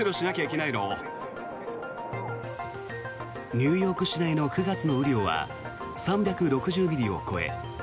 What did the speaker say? ニューヨーク市内の９月の雨量は３６０ミリを超え